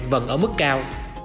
vẫn ở mức cao